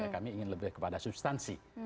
kami ingin lebih kepada substansi